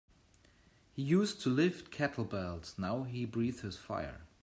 He used to lift kettlebells now he breathes fire.